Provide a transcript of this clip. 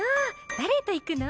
誰と行くの？